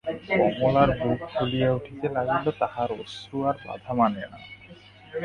কমলার বুক ফুলিয়া উঠিতে লাগিল, তাহার অশ্রু আর বাধা মানে না।